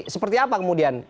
seperti apa kemudian